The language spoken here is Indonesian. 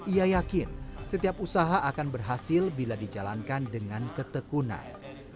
ia yakin setiap usaha akan berhasil bila dijalankan dengan ketekunan